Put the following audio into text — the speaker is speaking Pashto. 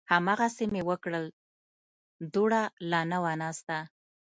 هماغسې مې وکړل، دوړه لا نه وه ناسته